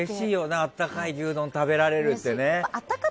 温かい牛丼食べられるって。